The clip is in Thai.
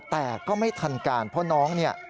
แต่ก็ไม่ทันการเพราะน้องเนี่ย